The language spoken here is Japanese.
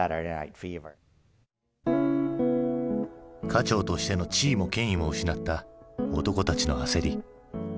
家長としての地位も権威も失った男たちの焦り。